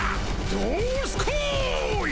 どすこい！